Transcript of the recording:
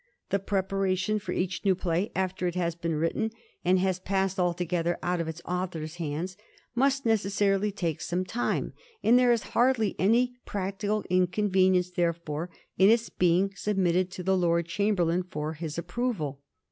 The preparation for each new play after it has been written and has passed altogether out of its author's hands must necessarily take some time, and there is hardly any practical inconvenience, therefore, in its being submitted to the Lord Chamberlain for his approval.